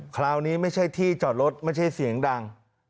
คราวนี้ไม่ใช่ที่จอดรถไม่ใช่เสียงดัง